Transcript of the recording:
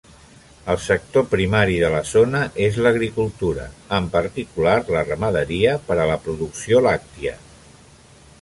El sector primari de la zona és l'agricultura, en particular la ramaderia per a la producció làctia.